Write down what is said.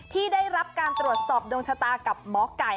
ที่ได้รับการตรวจสอบดวงชะตากับหมอไก่